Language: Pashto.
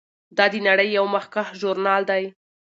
دا د نړۍ یو مخکښ ژورنال دی.